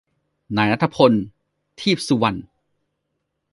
นายณัฏฐพล ทีปสุวรรณ